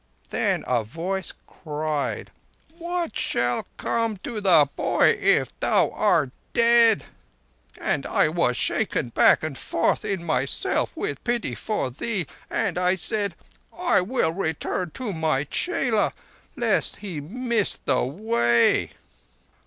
Then a voice cried: 'What shall come to the boy if thou art dead?' and I was shaken back and forth in myself with pity for thee; and I said: 'I will return to my chela, lest he miss the Way.